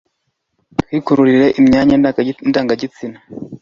mbatwikururire imyanya ndangagitsina